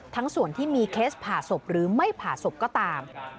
ส่วนที่มีเคสผ่าศพหรือไม่ผ่าศพก็ตาม